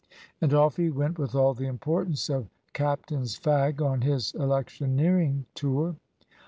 And off he went with all the importance of captain's fag on his electioneering tour.